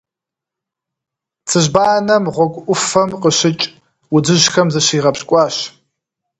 Цыжьбанэм гъуэгу Ӏуфэм къыщыкӀ удзыжьхэм зыщигъэпщкӀуащ.